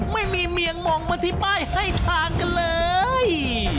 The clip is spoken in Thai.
ไม่มีเมียงมองมาที่ป้ายให้ทางกันเลย